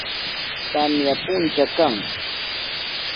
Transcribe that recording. Tamya puncha kan.